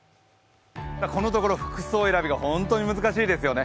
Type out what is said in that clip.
このところ服装選びが本当に難しいですよね。